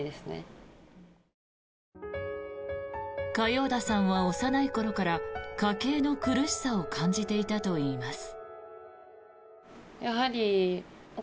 嘉陽田さんは幼い頃から家計の苦しさを感じていたといいます。